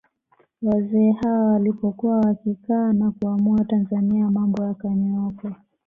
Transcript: Wazee hawa walipokuwa wakikaa na kuamua Tanzania mambo yakanyooka